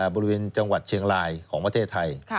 บริเวณจังหวัดเชียงรายของประเทศไทย